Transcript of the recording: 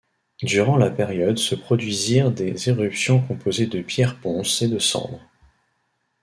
Durant la période se produisirent des éruptions composées de pierres ponces et de cendres.